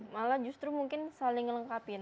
malah justru mungkin saling lengkapin